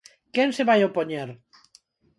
¿Quen se vai opoñer?